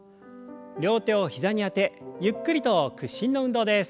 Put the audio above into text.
両手を膝にあてゆっくりと屈伸の運動です。